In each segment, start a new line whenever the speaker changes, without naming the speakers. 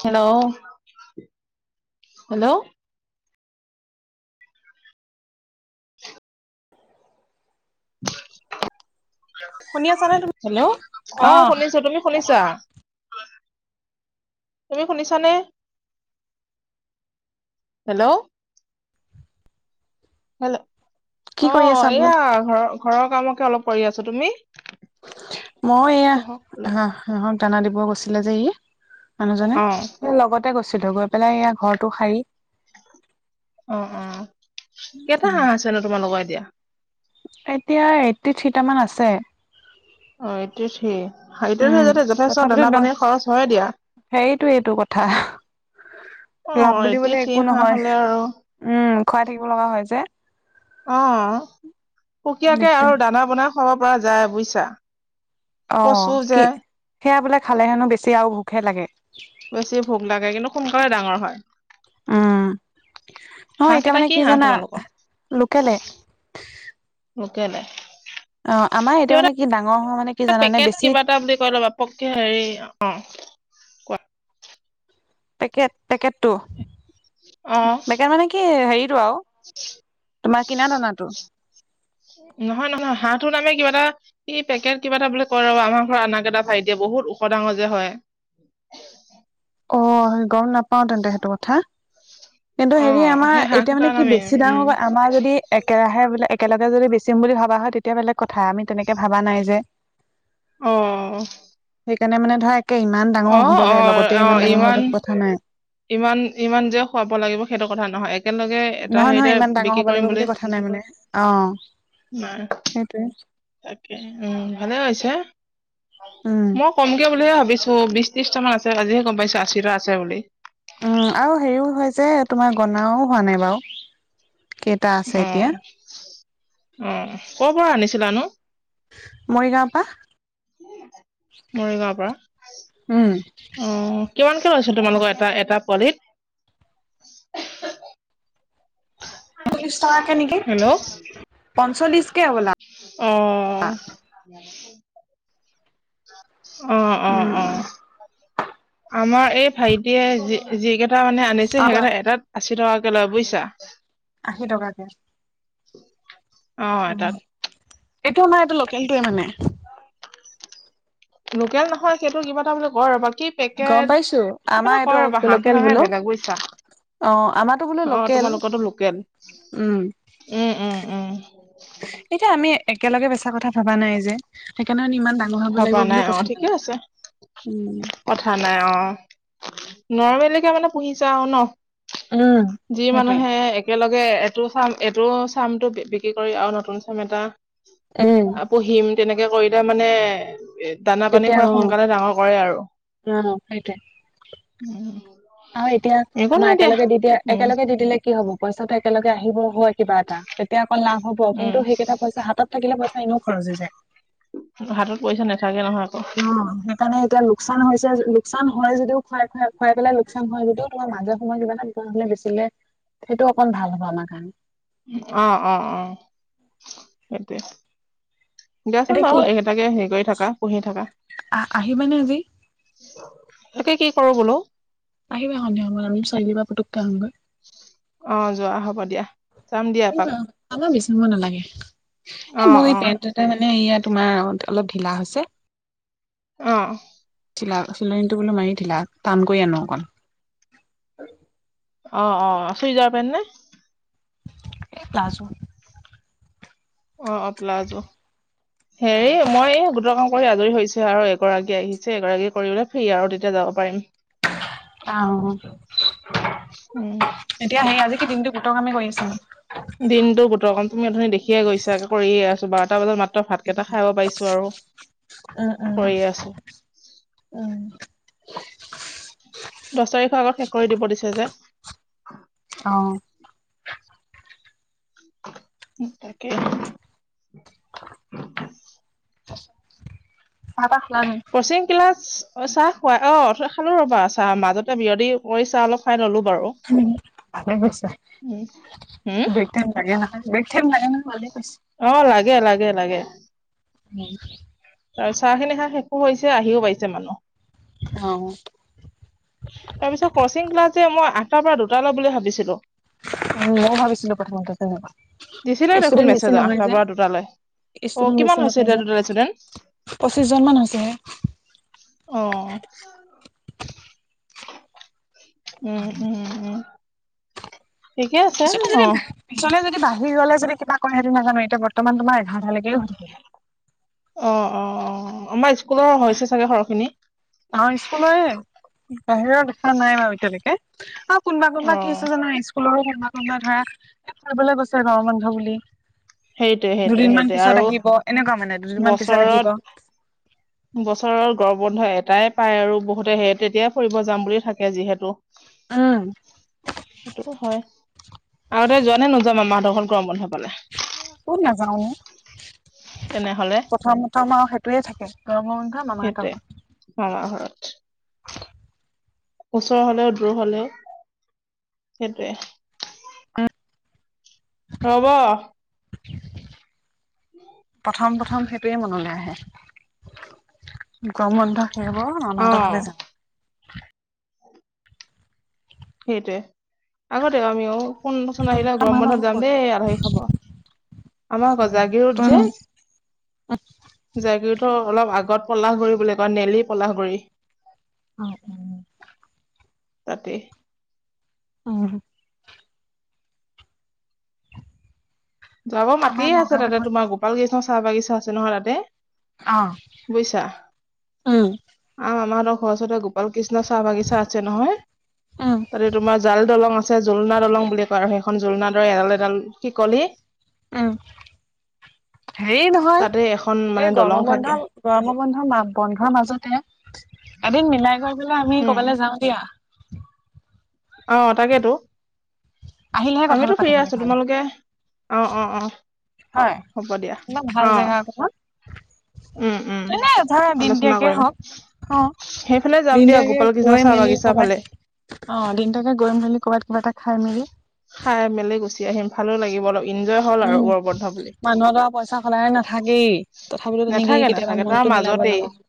Hello hello
[inaudible] শুনি আছানে তুমি?
হেল্ল, আহ
অ',
শুনিছো, তুমি শুনিছা? তুমি শুনিছানে? হেল্ল' হেল,
কি
অ
কৰি আছা বোলো?
এয়া ঘৰৰ ঘৰৰ কামকে অলপ কৰি আছো, তুমি?
মই এয়া,
বহক অলপ
হা হাঁহক দানা দিব গৈছিলোঁ যে ই, মানুহজনে,
অ
লগতে গৈছিলো, গৈ পেলাই এয়া ঘৰটো সাৰি
অ অ, কেইটা হাঁহ আছে নো তোমাৰ লগোকৰ এতিয়া
এতিয়া এইটি থ্ৰী তা মান আছে।
অ এইত্ৰি থ্ৰী হাৰটো
উম
যাতে, যথেষ্ট
তথাপিতো
দানা
দ
পানীৰ খৰচ হয় দিয়া।
হেৰিটো এইটো কথা
অ
লাভ বুলিবলে
এইতি
একো
থ্ৰী হাহ
নহয়
হলে আৰু
উম খুৱাই থাকিব লগা হয় যে।
অ সুকীয়াকে
দিগদাৰ
আৰু দানা বনাই খাব পৰা যায়, বুজিছা।
অ
কচু যে
কি, সেয়া বোলে খালে হেনো বেছি আৰু ভোকহে লাগে।
বেছি ভোক লাগে, কিন্তু সোনকালে ডাঙৰ হয়।
উম, নহয়
হাঁহ
এতিয়া
কেইটা
মানে কি
হাঁহ
জানা।
তোমালোকৰ
লোকেলে
লোকেলে।
অ আমাৰ এতিয়া
কিয়
মানে কি ডাঙৰ হোৱা মানে? কি জানানে
পেকেট
বেছি
কিবা এটা বুলি কৈ ল বাপককে হেৰি অ কোৱা
পেকেট পেকেটটো
অ
পেকেট মানে কি হেৰিতটো আৰু তোমাৰ কিনা দানাতো।
নহয় নহয় হাঁহটো নামে কিবা এটা এই পেকেট কিবা এটা বুলি কয় ৰব আমাৰ ঘৰত আননা ক এটা ভাই দিয়ে বহুত ওখ ডাঙৰ যে হয়।
অ গম নাপাও তেন্তে সেইটো কথা কিন্তু
অ
হেৰি আমাৰ
সেই হাঁহ
এতিয়া
কেইটাৰ
মানে কি
নামে
বেছি
উম
ডাঙৰ, গ আমাৰ যদি একেৰাহে বোলে একেলগে যদি বেচিম বুলি ভবা হয় তেতিয়া বেলেগ কথা আমি তেনেকে ভবা নাই যে।
অ।
সেইকাৰণে মানে ধৰা একে ইমান ডাঙৰ
অ
হ'ব
অ
লাগে লগত
অ ইমান ইমান ইমান যে খুৱাব লাগিব সেইটো কথা নহয়। একেলগে এটা
নহয় নহয়
হেৰিতে
ইমান ডাঙৰ
বিক্ৰী
হব
কৰিম
লাগিব বুলি কথা নাই মানে, অ
নাই
সেইটোৱে।
তাকে উম ভালে হৈছে।
উম।
মই কমকে বুলিহে ভাবিছো বিশ ত্ৰিশট মান আছে, আজিহে গম পাইছো আশীটা আছে বুলি।
উম আৰু হেৰিও যে তোমাৰ গনাও হোৱা নাই বাৰু। কেইটা আছে
উম
এতিয়া
উম কৰ পৰা আনিছিলা নো?
মৰিগাঁওৰ পৰা
মৰিগাঁৱৰ পৰা
উম
উম কিমানকৈ লৈছোঁ তোমালোকৰ এটা এটা পোৱালিত।
ত্ৰিশ টকাকে নেকি?
হেল্ল'
পঞ্চল্লিশ হবলা।
অ। অ অ অ
উম
আমাৰ এই ভাইটিয়ে যি যি কেইটা মানে আনিছে, সেইকেইটা এটাত আশী টকাকে লয় বুজিছা।
আশী টকাকে
অ
উম।
এটাত
এইটো আমাৰ এইটো লোকেলটোৱে মানে।
লোকেল নহয় সেইটো কিবা এটা বুলে কৈ ৰবা কী।
গম
পেকেট
পাইছো
কিবা
আমাৰ
এটা
এইটো
কয় ৰব হাঁহটো
লোকেল
মানে
বোলো
বেলেগ বুইছা।
অ আমাৰতো বোলো
অ
লোকেল
তোমালোকো লোকেল
উম।
উম উম উম।
এতিয়া আমি একেলগে বেচা কথা ভাবা নাই যে, সেইকাৰণে ইমান ডাঙৰ নহাব
ভবা
লাগিব বুলিও
অ
কথা নাই
ঠিকে আছে
উম।
কথা নাই অ নৰৰ্মেলিকে মানে পুহিছা আৰু ন?
উম
যি
সেইটোৱে
মানুহে একেলগে এইটো চাম এইটো চামটো বিক্ৰী কৰি, আৰু নতুন চাম এটা
উম
আ পুহিম তেনেকে কৰিলে মানে দানা পানী
তেতিয়া
খোৱাই
অ
সোনকালে ডাঙৰ কৰে আৰু।
অ সেইটোৱে
উম
আৰু এতিয়া
একো
আমাৰ
নাই
একেলগে দি দিয়া
উম
একেলগে দি দিলে কি হব পইচাটো একেলগে আহিব হয়। কিবা এটা তেতিয়া অকণ লাভ হ'ব
উম
কিন্তু সেইকেইটা পইচা হাতত থাকিলে পইচা এনেও খৰচ হৈ যায়।
হাতত পইচা নাথাকে নহয় আকৌ।
কাৰণে এতিয়া লোকচান হৈছে লোকচান হয় যদিও খোৱাই খাই খুৱাই পেলাই। চ হয় যদিও তোমাৰ মাজৰ সময়ত কিবা এটা হলে বেচিলে সেইটো অকণ ভাল হব আমাৰ কাৰণে
অ অ অ সেইটোৱে দাচোন
এতিয়া কি
বাৰু এইকেইটাকে হেৰি কৰি থাকা পুহি থাকা।
আ-আহিবানে আজি?
তাকে কি কৰো বোলো।
আহিবা সন্ধিয়া সময়ত আমি চাৰিআলী পা পুটকে আহোগৈ
অ যোৱা হ'ব দিয়া যাম দিয়া
আহিবা
এপাক
আমাৰ বেছি সময় নালাগে
অ
এ মোৰ
অ
এই পেন্ট এটা মানে ইয়া তোমাৰ অলপ ঢিলা হৈছে
অ
চিলা চিলনীটো বোলো মানে ঢিলা টান কৰি আনো অকণ
অ অ চুইজাৰ পেণ্ট নে
এই প্লাজু
অ অ প্লাজো হেৰি মই গোটৰ কাম আজৰি হৈছে আৰু এগৰাকী আহিছে এগৰাকী কৰি ললে ফ্ৰি আৰু তেতিয়া যাব পাৰিম
অ
উম
এতিয়া সেই আজি কি দিনটো গোটৰ কামে কৰি আছা নি
দিনতো গোটৰ কাম তুমি অথনি দেখিয়ে গৈছা কৰিয়ে আছো বাৰটা বজাত মাত্ৰ ভাত কেইটা খাব পাৰিছো আৰু [unintelligible]
উম উম
কৰিয়ে আছো
উম
দছ তাৰিখৰ আগত শেষ কৰি দিব দিছে যে
অ
তাকে
চাহ তাহ খোৱা নি
কচিং ক্লাছ চাহ খুৱাই অ খালো ৰ'বা চাহ মাজতে বিয়তি কৰি চাহ অলপ খাই ল'লো বাৰু
উম ভালে কৰিছা
উম হম
বেক থেন লাগে নহয় বেক থেন লাগে নহয় ভালে কৰিছা
অ লাগে লাগে লাগে
ন
তা চাহ খিনি খাই শেষো হৈছে আহিও পাইছে মানুহ
অ
তাৰ পিছত কচিং ক্লাছ যে মই আঠটা পা দুটা লৈ বুলি ভাবিছিলো
উম ময়ও ভাবিছিলো প্ৰথমতে তেনুকা
দিছিলে দেখোন
ষ্টুডেন্ট
মেছেজ
বেছি নহয়
আঠটাৰ
যে
পৰা দুটালৈ অ
ষ্টুডেণ্ট
কিমান
বেছি
হৈছে
নহয়
এতিয়া
যে
টোটেল ষ্টুডেন্ট
পঁচিশ জন মান হৈছেহে
অ উম উম উম ঠিকে আছে
পিছতে যদি
অ
পিছলে যদি বাঢ়ি গলে যদি কিবা কৰে সেটো নাজানো এতিয়া বৰ্তমান তোমাৰ এঘাৰটালকে হব
অ অ অ আমাৰ স্কুলৰ হৈছে চাগে সৰহখিনি
অহ স্কুলৰে বাহিৰৰ দেখা নাই বাৰু এতিয়ালেকে অ কোনোবা
অ
কোনোবা কি হৈছে জানো স্কুলৰো কোনোবা কোনোবা ধৰা বলৈ গৈছে গৰম বন্ধ বুলি
সেইটোৱে সেইটোৱে
দুদিন মান
সেইটোৱে আৰু
পিছত আহিব এনেকুৱা মানে দুদিনমান পিছত
বছৰত
আহিব
বছৰৰ গৰম বন্ধ এটাই পায় আৰু বহুতে সেই তেতিয়াই ফুৰিব যাম বুলি থাকে যিহেতু
উম
সেইটোতো হয় আগতে যোৱা নে নোযোৱা মামাহতৰ ঘৰত গৰম বন্ধ পালে
কত নাযাও অ
তেনেহলে
প্ৰথম প্ৰথম আৰু সেইটোয়ে থাকে গৰমৰ বন্ধ মামাহতৰ ঘৰত
মামা ঘৰত ওচৰ হলেও দূৰ হলেও সেইটোৱে ৰ'ব [unintelligible]
প্ৰথম প্ৰথম সেইটোৱে মনলে আহে গৰম বন্ধত মামা
অ
হঁতৰ ঘৰলৈ যাম।
সেইটোৱে আগতে আমিওঁ, কোনচোন
যাম
আহিলে গৰম
মামাহঁতৰ ঘৰ
বন্ধত যাম দেই আলহী খাব। আমাৰ গজাগি-
ক'ত
জাগীৰোড যে
তই
জাগীৰোড অলপ আগত পলাশগুৰি বুলি কয় নেলি পলাশগুৰি।
[inaudible]
তাতে।
উম',।
জোয়াবা মাটি
আমাৰ
আছে,
নগাঁৱতে
তাতে
পৰে
তোমাৰ গোপাল কৃষ্ণ চাহ বাগিচা আছে নহয় তাতে।
অ
বুজিছা?
উম
আ' আমাৰ ঘৰৰ ওচৰতে গো গোপাল কৃষ্ণ চাহ বাগিচা আছে নহয়।
উম
তোমাৰ জাল দলং আছে, জোলনা দলং বুলি কয় আৰু সেই এখন জুলনা দৰে এডাল এডাল শিকলি।
উম', হেৰি নহয়
তাতে এখন মানে
এই
দলং
গৰম
থাকে
বন্ধ গৰম বন্ধ বন্ধৰ মাজতে, এদিন মিলাই কৈ পেলে আমি
উম
কবালৈ যাওঁ দিয়া।
অ', তাকেতো।
আহিলেহে কথাটো
আমিতো ফ্ৰী
পাতিবলে
আছো
ভাল।
তোমালোকে অ অ অ
হয়',
হ'ব দিয়া
ইমান ভাল
অ
জেগা অকমান
উম উম
এনে ধাৰা
আলোচনা
দিনতয়াকে
কৰিম
হওঁক। অ',
সেইফালে যাম
দিন
দিয়া
দিয়াকে
গোপাল কৃষ্ণ
গৈ
চাহ
মেলি
বাগিচা
কবাত
ফালে
অ', দিনদিয়াকে গৈ মেলি কৰ'ৰবাত কিবা এটা খাই মেলি
খাই মেলি গুচি আহিম। ভালো লাগিব অলপ এনজয় হ'ল আৰু গৰম বন্ধ বুলি।
চাহ সদাই নাথাকেই, তথাপিতো তেনেকেই
নাথাকে
কেতিয়াবা
নাথাকে তাৰ
মনতটো মিলাব
মাজতেই
লগা হ'ল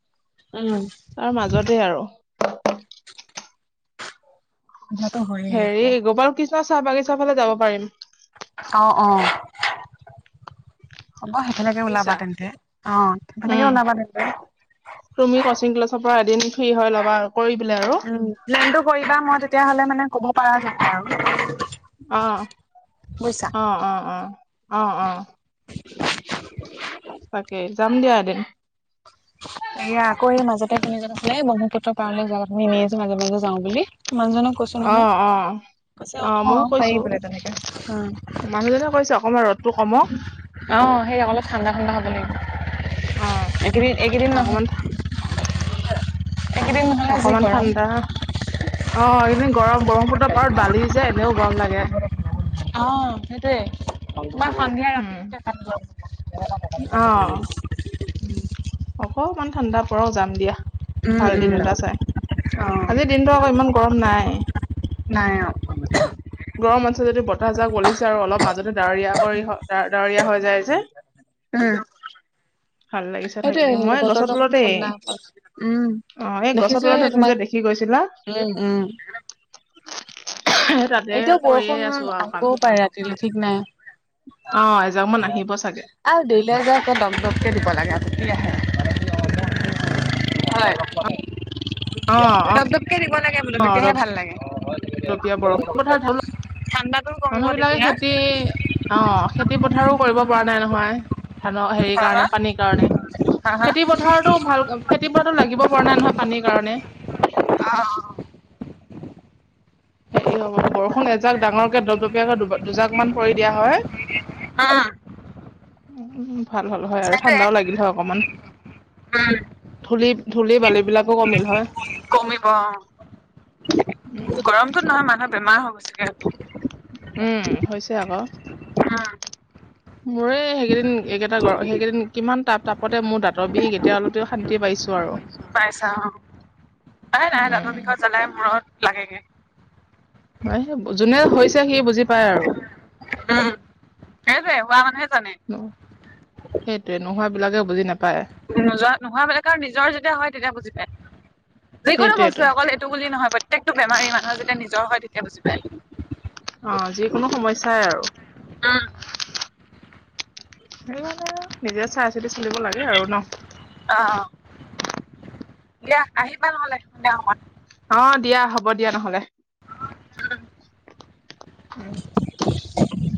উম',।
তাৰ মাজতে আৰু।
সুবিধাটো হয়ে
হেৰি
এতিয়া
গোপাল কৃষ্ণ চাহ বাগিচা ফালে যাব পাৰিম?
অ', অ',। হ'ব সেইফালকে ওলাবা
বুজিছা
তেন্তে অ' সেইফেনে
উম
ওলাবা তেন্তে।
তুমি কচিং ক্লাছৰ পৰা এদিন ফ্ৰী হয় ল'বা, কৰি পেলাই আৰু
উম', প্লেনটো কৰিবা, মই তেতিয়া হলে মানে ক'ব পাৰা যাব আৰু।
অ',
বুজিছা
অ', অ', অ',। তাকে যাম দিয়া এদিন।
এয়া আকৌ এই মাজতে তুনি জন আছিলে ব্ৰহ্মপুত্ৰ পাৰলৈ যাম বুলি, আছিলে মাজে মাজে যাওঁ বুলি। মানুহজনক কৈছো
অ
নহয়,
অ
কৈছে
ময়ো
অ' পাৰি
কৈছো
বোলে তেনেকে অ'।
মানুহজনে কৈছে অকণমান ৰ'দটো কমক।
অ', সেই অলপ ঠাণ্ডা ঠাণ্ডা হ'ব লাগিব,
অ
একেইদিন- এইকেইদিন নহয়।
অকমান
এইকেইদিন নহ'লে যি
অকমান
গৰম
ঠাণ্ডা অ', এইকেদিন গৰম ব্ৰহ্মপুত্ৰ পাৰত বালি যে এনেওঁ গৰম লাগে।
অ', সেইটোৱে। মই সন্ধিয়া
উম
ৰাতিওঁ
অ অকমান ঠাণ্ডা পৰক যাম দিয়া।
উম,
ভাল
উম,
দিন এটা চাই,
অ'
আজিৰ দিনটো আকৌ ইমান গৰম নাই। [inaudible]
নাই অ'
গৰম আছে যদি বতাহজাক বলিছে আৰু অলপ মাজতে ডাৱৰীয়া কৰি ডাৱৰীয়া হৈ যায় যে। [inaudible]
উম',।
ভাল লাগিছে থাকি।
[unintelligible]
মই গছৰ
বতৰটো অকমান
তলতেই
ঠাণ্ডা উম
অ এই গছৰ
দেখিছোয়ে
তলতে
সেই
তাতে যে
তোমাক
দেখি গৈছিলা।
উম, উম,
সেই তাত
এতিয়াও বৰষুণ আহিবও পাৰে ৰাতিলৈ ঠিক নাই।
অ এজাক মান আহিব চাগে।
আৰু দিলেওঁ যে দপ দপকে দিব লাগে কি আহে। হয়
অ অ
দপ দপকে দিব লাগে বোলো
অ
তেতিয়াহে ভাল লাগে।
[unintelligible]
ঠাণ্ডাতো
মানুহ
কমিব
বিলাকে
তেতিয়া
খেতি অ খেতি পথাৰো কৰিব পৰা নাই নহয়। ধানৰ হেৰি
হা,
কাৰণে
হা,
পানীৰ কাৰণে,
হা, হা
খেতি পথাৰতো ভাল খেতি পথাৰটো লাগিব পৰা নাই নহয় পানীৰ কাৰণে।
অ'
হেৰি হ'ব বৰষুণ এজাক ডাঙৰকে দপদপিয়াকৈ দুজাক মান পৰি দিয়া হয়
উম
উ ভাল হ'ল হয় আৰু,
সেইটোৱে
ঠাণ্ডাও লাগিল হয় অকমান।
উম।
ধূলি ধূলি বালিবলাকো কমিল হয়।
কমিব অ'।
উ
গৰমটোত নহয় মানুহ বমাৰ হৈ গৈছেগে এইটো।
উম হৈছে আকৌ।
উম।
মোৰে সেইকেইদিন এইকেইটা গ সেইকেইদিন কিমান তাপ তাপতে মোৰ দাঁতৰ বিষ এতিয়া অলপ তেওঁ শান্তি পাইছো আৰু।
পাইছা অ। এ নাই দাঁতৰ বিষত জ্বলাই মূৰত লাগেগে।
[unintelligible] যোনে হৈছে সি বুজি পায় আৰু।
উম। সেইটোৱে হোৱা মানুহে জানে।
সেইটোৱে নোহোৱা বিলাকে বুজি নাপ
নোযোৱা নোহোৱা বিলাকে আৰু নিজৰ যেতিয়া হয় তেতিয়া বুজি পায়। যিকোনো
সেইটোয়েতো
বস্তুৱে অকল এইটো টো বুলি নহয়, প্ৰত্যেয়কটো বেমাৰেই মানুহ যেতিয়া নিজৰ হয় তেতিয়া বুজি পায়।
অ যিকোনো সমস্যাই আৰু।
উম।
সেয়াই নিজে চাই চিতি চলিব লাগে আৰু ন।
অ' দিয়া আহিবা নহ'লে
অ' দিয়া হ'ব দিয়া নহ'লে উম।
[unintelligible]